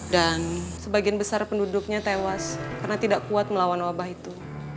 dan sebagian besar penduduknya tewas karena tidak kuat melawan wabah itu